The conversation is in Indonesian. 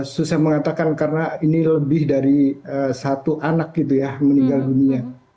susah mengatakan karena ini lebih dari satu anak gitu ya meninggal dunia